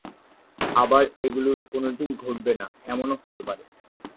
আবার এগুলোর কোনোটিই ঘটবে না এমনও হতে পার।